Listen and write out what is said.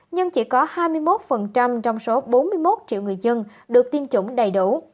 nhưng chỉ có hai mươi một trong số bốn mươi một triệu người dân được tiêm chủng đầy đủ